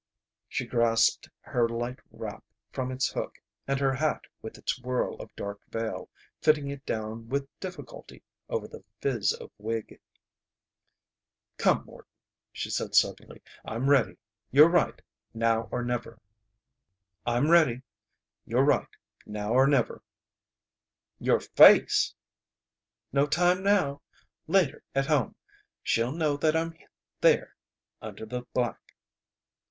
She grasped her light wrap from its hook, and her hat with its whirl of dark veil, fitting it down with difficulty over the fizz of wig. "Come, Morton," she said, suddenly. "I'm ready. You're right, now or never." "Your face!" "No time now. Later at home! She'll know that I'm there under the black!"